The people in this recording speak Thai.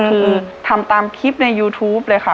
คือทำตามคลิปในยูทูปเลยค่ะ